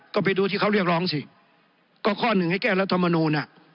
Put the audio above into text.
ก็ไปดูที่เขาเรียกร้องสิก็ข้อหนึ่งให้แก้รัฐมนูลน่ะ